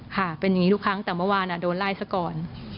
ค่ะเป็นอย่างนี้ทุกครั้งแต่เมื่อวานโดนไล่ซะก่อน